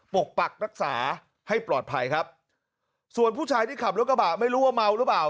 ปกปักรักษาให้ปลอดภัยครับส่วนผู้ชายที่ขับรถกระบะไม่รู้ว่าเมาหรือเปล่า